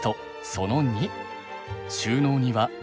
その２。